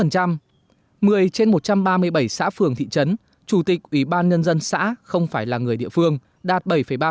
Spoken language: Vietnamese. một mươi trên một trăm ba mươi bảy xã phường thị trấn chủ tịch ủy ban nhân dân xã không phải là người địa phương đạt bảy ba